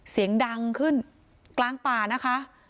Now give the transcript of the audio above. เสียงดังขึ้นกลางป่านะคะ